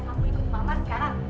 kamu ikut mama sekarang